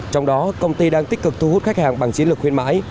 trong đó công ty đang tích cực thu hút khách hàng bằng chiến lược khuyên mãi